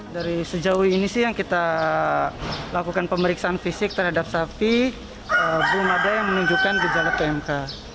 dari sejauh ini sih yang kita lakukan pemeriksaan fisik terhadap sapi belum ada yang menunjukkan gejala pmk